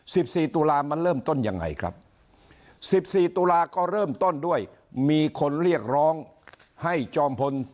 สิบสี่ตุลามันเริ่มต้นยังไงครับสิบสี่ตุลาก็เริ่มต้นด้วยมีคนเรียกร้องให้จอมพล